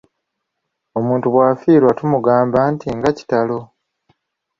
Omuntu bw'afiirwa tumugamba nti nga kitalo!